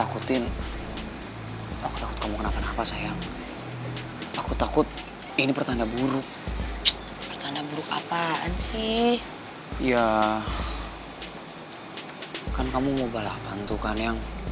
kan kamu mau balapan tuh kan yang